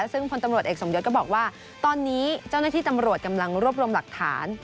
ซึ่งพลตำรวจเอกสมยศก็บอกว่าตอนนี้เจ้าหน้าที่ตำรวจกำลังรวบรวมหลักฐาน